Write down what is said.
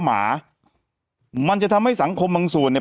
แต่หนูจะเอากับน้องเขามาแต่ว่า